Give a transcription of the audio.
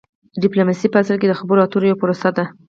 ډیپلوماسي په اصل کې د خبرو اترو یوه پروسه ده